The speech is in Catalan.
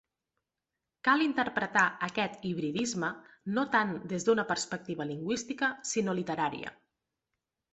Cal interpretar aquest hibridisme no tant des d'una perspectiva lingüística sinó literària.